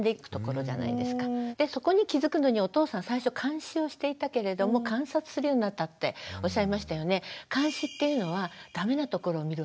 そこに気付くのにお父さん最初監視をしていたけれども観察するようになったっておっしゃいましたよね。